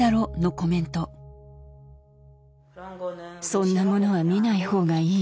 そんなものは見ない方がいい。